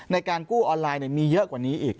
ในการกู้ออนไลน์มีเยอะกว่านี้อีก